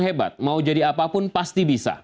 hebat mau jadi apapun pasti bisa